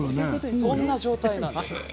そんな状態なんです。